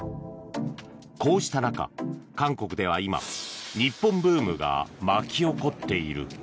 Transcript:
こうした中、韓国では今日本ブームが巻き起こっている。